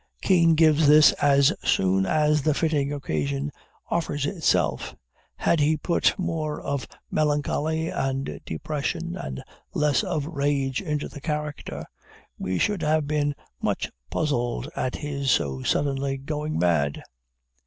Kean gives this as soon as the fitting occasion offers itself. Had he put more of melancholy and depression and less of rage into the character, we should have been much puzzled at his so suddenly going mad.